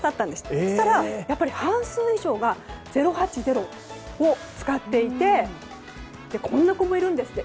そうしたら半数以上が０８０を使っていてこんな子もいるんですって。